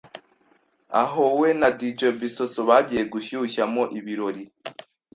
aho we na dj bisosso bagiye gushyushyamo ibirori